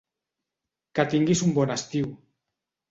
Que tinguis un bon estiu.